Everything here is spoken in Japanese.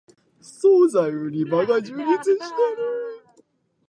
そうざい売り場が充実している